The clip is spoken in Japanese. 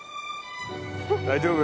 大丈夫？